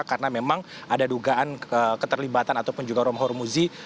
karena memang ada dugaan keterlibatan ataupun juga romahur muzi